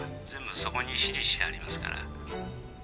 全部そこに指示してありますから。